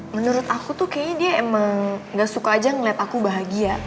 menurut aku tuh kayaknya dia emang gak suka aja ngeliat aku bahagia